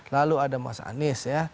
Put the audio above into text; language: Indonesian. lalu ada mas anies ya